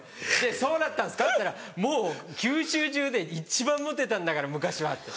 「そうだったんですか？」って言ったら「もう九州中で一番モテたんだから昔は」って。